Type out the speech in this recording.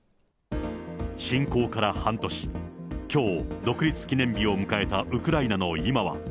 侵攻から半年、きょう、独立記念日を迎えたウクライナの今は。